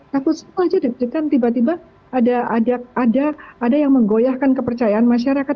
takut semua aja deg degan tiba tiba ada yang menggoyahkan kepercayaan masyarakat